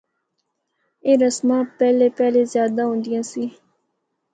اے رسماں پہلا پہلا زیادہ ہوندیاں سی۔